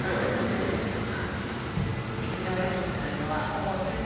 面白いよね。